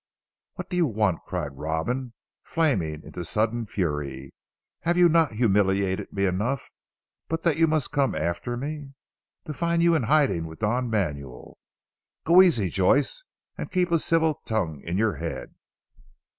"What do you want?" cried Robin flaming into sudden fury. "Have you not humiliated me enough, but that you must come after me " "To find you in hiding with Don Manuel. Go easy Joyce, and keep a civil tongue in your head."